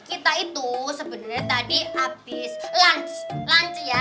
kita itu sebenarnya tadi habis lunch ya